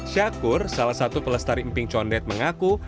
syakur salah satu pelestari emping condet mengaku